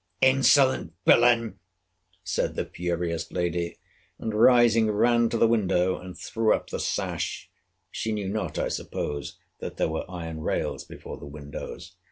Insolent villain! said the furious lady. And rising, ran to the window, and threw up the sash, [she knew not, I suppose, that there were iron rails before the windows.